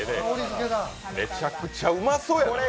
めちゃくちゃうまそうやな！